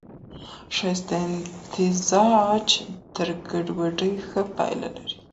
ښايسته امتزاج تر ګډوډۍ ښه پايله لري.